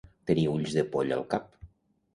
Tenir ulls de poll al cap.